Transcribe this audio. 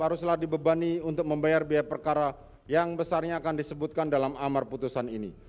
haruslah dibebani untuk membayar biaya perkara yang besarnya akan disebutkan dalam amar putusan ini